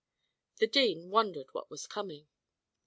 The dean wondered what was coming.